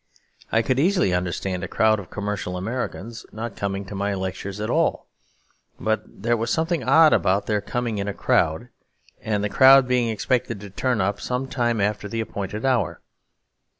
I could easily understand a crowd of commercial Americans not coming to my lectures at all; but there was something odd about their coming in a crowd, and the crowd being expected to turn up some time after the appointed hour.